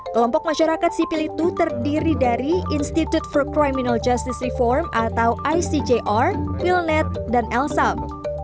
kelompok masyarakat sipil itu terdiri dari institute for criminal justice reform atau icgr wilnet dan elsam